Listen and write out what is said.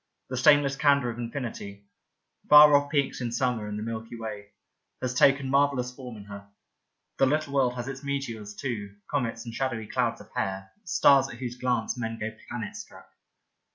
The stainless candour of infinity — far off peaks in summer and the Milky Way — ^has taken marvellous form in her. The Little World has its meteors, too, comets and shadowy clouds of hair, stars at whose glance men go planet struck.